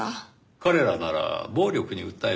彼らなら暴力に訴えるはずです。